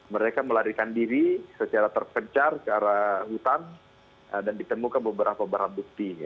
mereka melarikan diri secara terpencar ke arah hutan dan ditemukan beberapa barang bukti